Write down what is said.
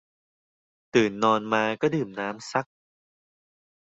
ตื่นนอนมาก็ดื่มน้ำสัก